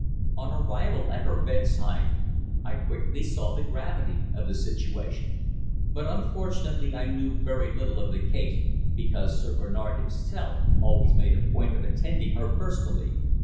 On arrival at her bedside I quickly saw the gravity of the situation; but, unfortunately, I knew very little of the case, because Sir Bernard himself always made a point of attending her personally.